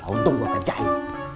untung gue kejahat